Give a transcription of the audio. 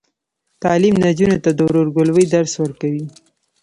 تعلیم نجونو ته د ورورګلوۍ درس ورکوي.